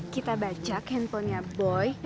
kita bacak handphonenya boy